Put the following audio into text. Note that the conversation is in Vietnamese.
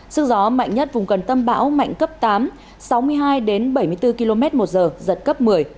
sức gió mạnh nhất vùng gần tâm bão mạnh cấp tám sáu mươi hai đến bảy mươi bốn km một giờ giật cấp một mươi